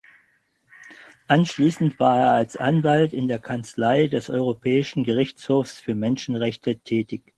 Anschließend war er als Anwalt in der Kanzlei des Europäischen Gerichtshofs für Menschenrechte tätig.